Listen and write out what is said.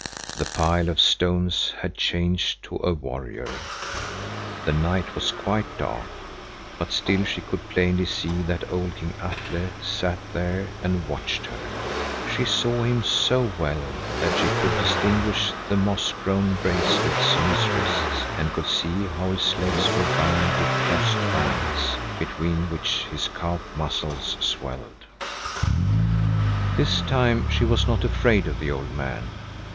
The pile of stones had changed to a warrior. The night was quite dark, but still she could plainly see that old King Atle sat there and watched her. She saw him so well that she could distinguish the moss grown bracelets on his wrists and could see how his legs were bound with crossed bands, between which his calf muscles swelled. This time she was not afraid of the old man.